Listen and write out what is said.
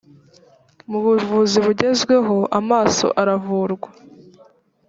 mu buvuzi bugezweho amaso aravugwa